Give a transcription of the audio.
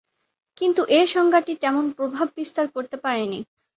কিন্তু এ সংজ্ঞাটি তেমন প্রভাব বিস্তার করতে পারেনি।